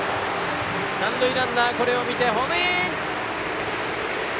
三塁ランナー、これを見てホームイン！